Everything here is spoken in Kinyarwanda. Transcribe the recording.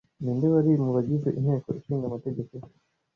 Ninde wari mu bagize Inteko ishinga amategeko